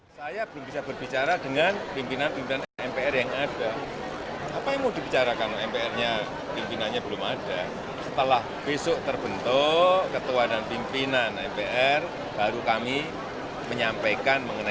saya belum bisa berbicara dengan pimpinan pimpinan mpr yang ada